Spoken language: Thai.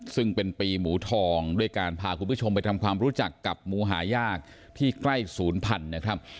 ซึ่งเป็นปีหมูทองด้วยการพาคุณผู้ชมไปทำความรู้จักกับหมูหายากที่ใกล้ศูนย์พันธุ์นะครับ